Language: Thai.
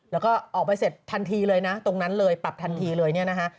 แล้วก็ออกไปเสร็จทันทีเลยนะตรงนั้นเลยปรับทันทีเลยเนี่ยนะฮะ